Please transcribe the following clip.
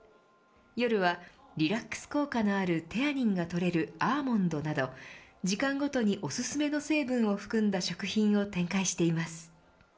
夜はリラックス効果のあるテアニンが取れるアーモンドなど、時間ごとにお薦めの成分を含んだ食品を展開しています。